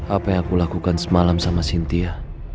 apa yang aku lakukan semalam sama cynthia